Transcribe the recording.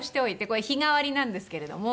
これ日替わりなんですけれども。